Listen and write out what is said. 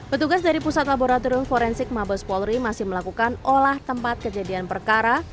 petugas dari pusat laboratorium forensik mabes polri masih melakukan olah tempat kejadian perkara